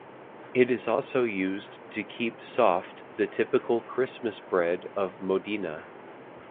It is also used to keep soft the typical Christmas bread of Modena.